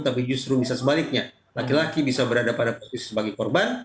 tapi justru bisa sebaliknya laki laki bisa berada pada posisi sebagai korban